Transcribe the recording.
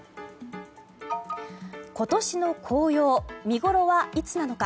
今年の紅葉見ごろはいつなのか。